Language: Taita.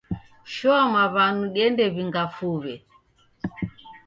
Shoa maw'anu diende w'inga fuw'e